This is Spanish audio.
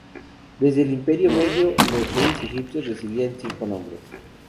Desde el Imperio Medio, los reyes egipcios recibían cinco nombres.